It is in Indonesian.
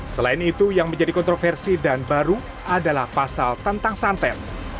selain itu yang menjadi kontroversi dan baru adalah pasal tentang santet